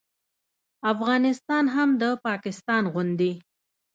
افغانستان هم د پاکستان غوندې